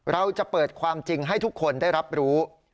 เราจะเปิดความจริงให้ทุกคนได้รับรู้